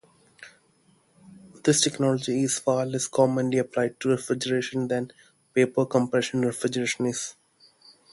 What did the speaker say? This technology is far less commonly applied to refrigeration than vapor-compression refrigeration is.